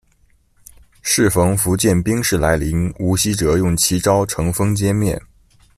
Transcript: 适逢福建兵士来临，吴希哲用奇招乘风歼灭。